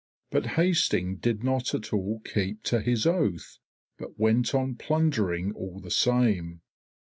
But Hasting did not at all keep to his oath, but went on plundering all the same.